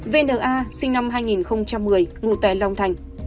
vna sinh năm hai nghìn một mươi ngụ tại long thành